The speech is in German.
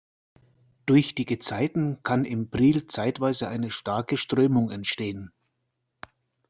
Durch die Gezeiten kann im Priel zeitweise eine starke Strömung entstehen.